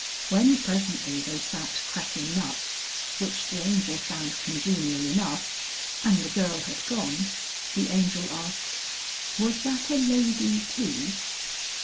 When presently they sat cracking nuts which the Angel found congenial enough and the girl had gone, the Angel asked: "Was that a lady, too?"